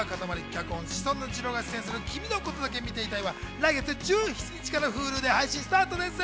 脚本、シソンヌ・じろうが出演する『君のことだけ見ていたい』は来月１７日からＨｕｌｕでスタートです。